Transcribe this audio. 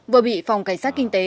vừa bị phòng cơ sát kinh tế